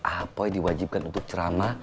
apoy diwajibkan untuk cerama